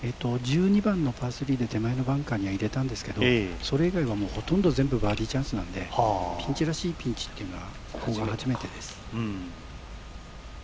１２番のパー３で手前のバンカーには入れたんですけどそれ以外はほとんど全部バーディーチャンスなのでピンチらしいピンチっていうのは、ここが初めてです。